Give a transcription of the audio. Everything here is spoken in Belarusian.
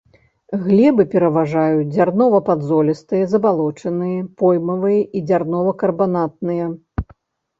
Глебы пераважаюць дзярнова-падзолістыя, забалочаныя, поймавыя і дзярнова-карбанатныя.